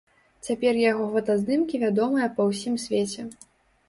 Цяпер яго фотаздымкі вядомыя па ўсім свеце.